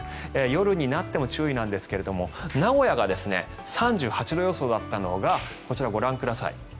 夜になっても注意なんですが名古屋が３８度予想だったのがこちら、ご覧ください。